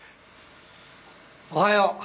おはよう。